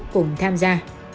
cùng tham gia